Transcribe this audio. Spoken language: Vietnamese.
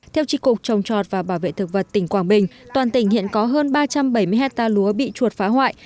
theo trị cục trồng trọt và bảo vệ thực vật tỉnh quảng bình toàn tỉnh hiện có hơn ba trăm bảy mươi hectare lúa bị chuột phá hoại